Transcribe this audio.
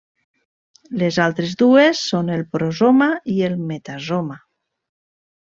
Les altres dues són el prosoma i el metasoma.